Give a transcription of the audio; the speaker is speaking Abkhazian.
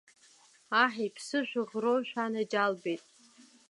Аҳ иԥсы шәыӷроу, шәанаџьалбеит!